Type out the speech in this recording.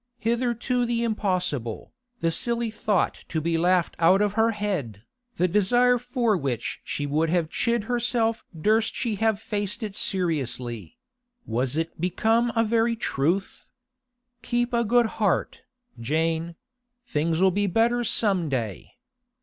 Hitherto the impossible, the silly thought to be laughed out of her head, the desire for which she would have chid herself durst she have faced it seriously—was it become a very truth? 'Keep a good heart, Jane; things'll be better some day.